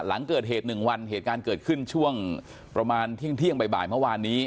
หลังเกิดเหตุ๑วันเหตุการณ์เกิดขึ้นช่วงประมาณเที่ยงบ่ายเมื่อวานนี้